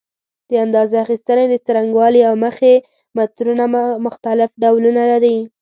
د اندازه اخیستنې د څرنګوالي له مخې مترونه مختلف ډولونه لري.